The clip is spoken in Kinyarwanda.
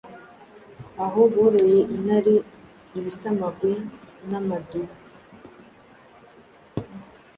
aho boroye intare, ibisamagwe n’amadubu